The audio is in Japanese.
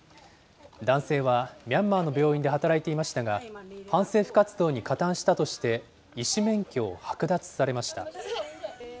男性はミャンマーの病院で働いていましたが、反政府活動に加担したとして、医師免許を剥奪されました。